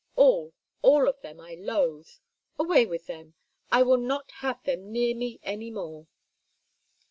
All, all of them I loathe; away with them, I will not have them near me any more.